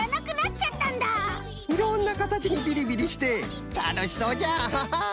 いろんなかたちにビリビリしてたのしそうじゃ！